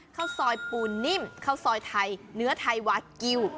ข้าวซอยปูนิ่มข้าวซอยไทยเนื้อไทยวากิล